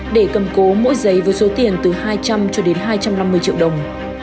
để cầm cố mỗi giấy với số tiền từ hai trăm linh cho đến hai trăm năm mươi triệu đồng